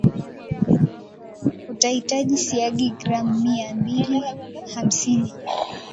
Utahitaji siagi gram mia mbili hamsini